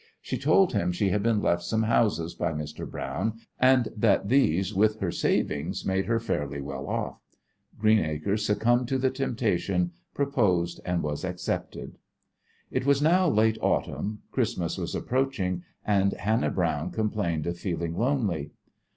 She told him she had been left some houses by Mr. Browne and that these with her savings made her fairly well off. Greenacre succumbed to the temptation; proposed and was accepted. It was now late autumn, Christmas was approaching, and Hannah Browne complained of feeling lonely.